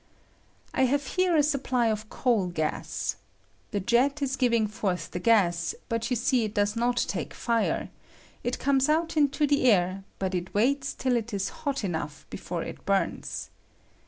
I have here a supply of coal gas. The jet is giv ing forth the gas, but you see it does not take fire— it comes out into the air, but it waits till it is hot enough before it burns.